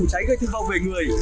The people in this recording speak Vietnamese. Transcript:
của cháy gây thương vong về người